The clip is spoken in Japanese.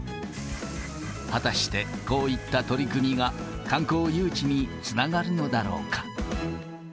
果たしてこういった取り組みが、観光誘致につながるのだろうか。